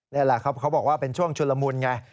นี่แหละครับเขาบอกว่าเป็นช่วงชุนละมุนไง